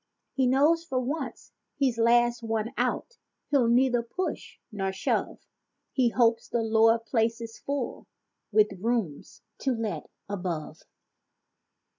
He knows for once he's last one out, he'll neither push nor shove— He hopes the lower place is full, with "rooms to let" above.